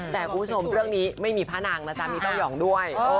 แต่คุณผู้ชมเรื่องนี้ไม่มีพระนางนะจ๊ะมีเต้ายองด้วย